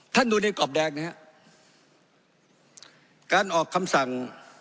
ดูในกรอบแดงนะฮะการออกคำสั่ง